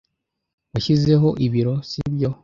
Washyizeho ibiro, sibyo?